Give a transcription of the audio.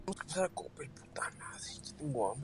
De igual forma se erigió Chimalhuacán como municipio.